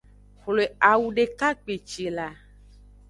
Xwle awu deka kpeci la.